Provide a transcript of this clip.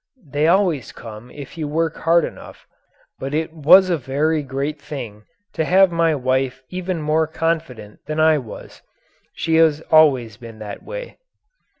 They always come if you work hard enough. But it was a very great thing to have my wife even more confident than I was. She has always been that way.